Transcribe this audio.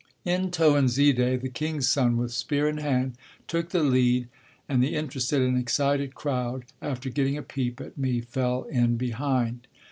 N'Toinzide, the king's son, with spear in hand, took the lead and the interested and excited crowd after getting a peep at me fell in behind.